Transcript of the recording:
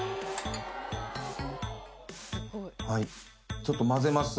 ちょっと混ぜます。